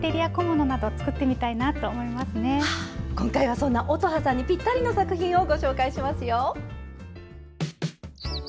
今回はそんな乙葉さんにぴったりの作品をご紹介しますよ！